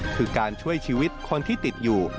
คือการช่วยชีวิตคนที่ติดอยู่